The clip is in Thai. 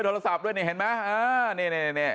โทรศัพท์ด้วยนี่เห็นไหม